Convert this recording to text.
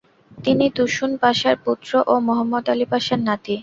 তিনি তুসুন পাশার পুত্র ও মুহাম্মদ আলি পাশার নাতি।